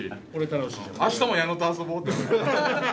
明日も矢野と遊ぼうって。